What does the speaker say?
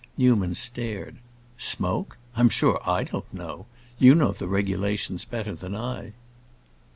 Newman stared. "Smoke? I'm sure I don't know. You know the regulations better than I."